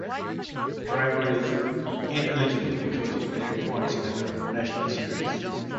The driver is ineligible because he declared points in another national series.